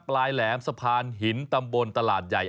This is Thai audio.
ปลายแหลมสะพานหินตำบลตลาดใหญ่